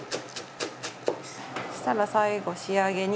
そしたら最後仕上げに。